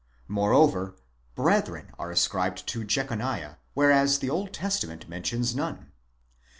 Moreover Jdrethren are ascribed to Jechoniah, whereas the Old Testament mentions none.